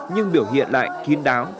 nhưng biểu hiện lại kín đáo